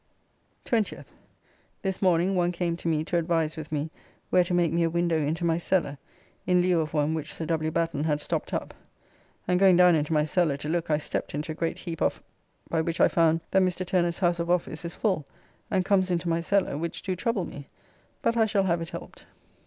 20th. This morning one came to me to advise with me where to make me a window into my cellar in lieu of one which Sir W. Batten had stopped up, and going down into my cellar to look I stepped into a great heap of by which I found that Mr. Turner's house of office is full and comes into my cellar, which do trouble me, but I shall have it helped.